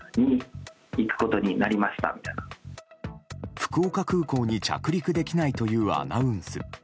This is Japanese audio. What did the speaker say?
福岡空港に着陸できないというアナウンス。